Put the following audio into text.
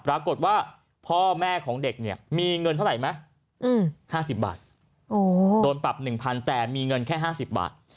ปรากฏว่าพ่อแม่ของเด็กเนี่ยมีเงินเท่าไหร่ไหม๕๐บาทโดนปรับ๑๐๐แต่มีเงินแค่๕๐บาท